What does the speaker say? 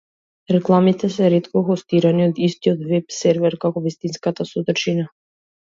Рекламите се ретко хостирани од истиот веб-сервер како вистинската содржина.